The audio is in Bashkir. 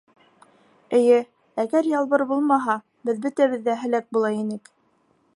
Эйе, әгәр Ялбыр булмаһа, беҙ бөтәбеҙ ҙә һәләк була инек.